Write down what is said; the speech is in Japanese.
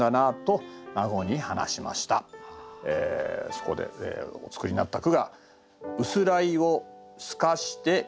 そこでお作りになった句が。